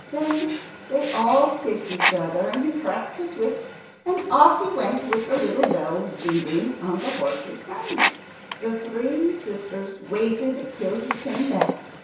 Then they all kissed each other, and he cracked his whip, and off he went, with the little bells jingling on the horses' harness. The three sisters waited till he came back.